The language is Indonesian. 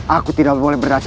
aku tidak mau mati